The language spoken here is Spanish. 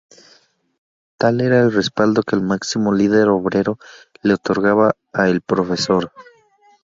Tal era el respaldo que el "máximo líder obrero" le otorgaba a el Profesor.